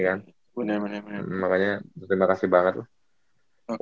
makanya terima kasih banget loh